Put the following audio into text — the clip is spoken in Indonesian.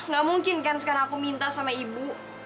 gak mungkin kan sekarang aku minta sama ibu